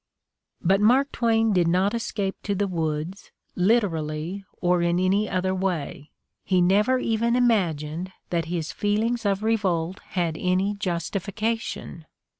But Mark Twain did not escape to the woods, literally or in any other way. He never even imagined that his feelings of revolt had any justification.